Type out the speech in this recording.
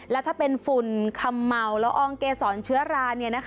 แล้วถ้าเป็นฝุ่นคำเมาละอองเกษรเชื้อรา